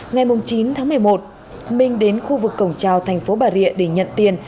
ngày chín tháng một mươi một minh đến khu vực cổng trào tp bà rịa để nhận tiền